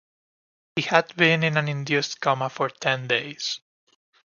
He had been in an induced coma for ten days.